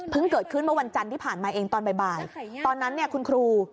เกิดขึ้นเมื่อวันจันทร์ที่ผ่านมาเองตอนบ่ายตอนนั้นเนี่ยคุณครู